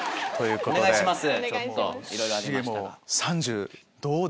お願いします。